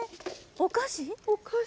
お菓子。